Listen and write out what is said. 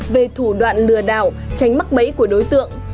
về thủ đoạn lừa đảo tránh mắc bẫy của đối tượng